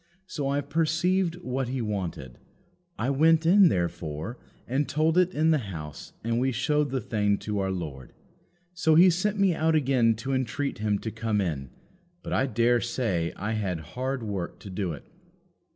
So I perceived what he wanted. I went in, therefore, and told it in the house, and we showed the thing to our Lord. So He sent me out again to entreat him to come in; but I dare say I had hard work to do it."